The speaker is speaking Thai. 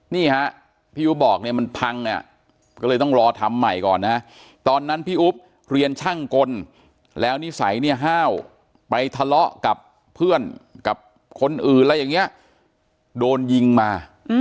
นี่ฮะพี่อุ๊บบอกเนี่ยมันพังอ่ะก็เลยต้องรอทำใหม่ก่อนนะตอนนั้นพี่อุ๊บเรียนช่างกลแล้วนิสัยเนี่ยห้าวไปทะเลาะกับเพื่อนกับคนอื่นอะไรอย่างนี้โดนยิงมา